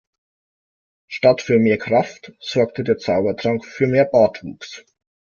Statt für mehr Kraft sorgte der Zaubertrank für mehr Bartwuchs.